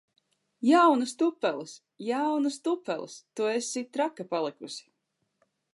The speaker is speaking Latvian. Jaunas tupeles! Jaunas tupeles! Tu esi traka palikusi!